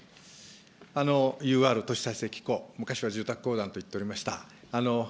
ＵＲ都市再生機構、昔は住宅公団といっておりました。